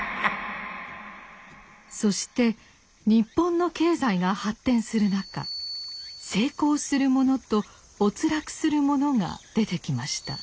そして日本の経済が発展する中成功する者と没落する者が出てきました。